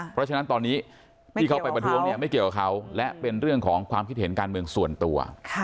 เพราะฉะนั้นตอนนี้ที่เขาไปประท้วงเนี่ยไม่เกี่ยวกับเขาและเป็นเรื่องของความคิดเห็นการเมืองส่วนตัว